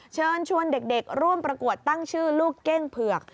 เชิญชวนเด็กร่วมประกวดตั้งชื่อลูกเก้งเผือก